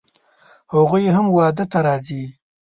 هغوی هم واده ته راځي